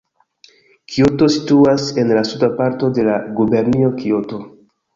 Kioto situas en la suda parto de la gubernio Kioto.